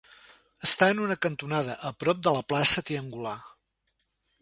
Està en una cantonada, a prop de la plaça Triangular.